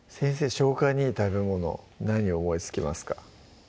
消化にいい食べ物何思いつきますか？